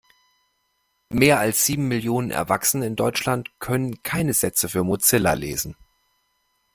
Mehr als sieben Millionen Erwachsene in Deutschland können keine Sätze für Mozilla lesen.